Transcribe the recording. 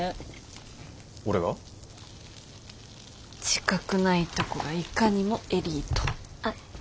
自覚ないとこがいかにもエリート。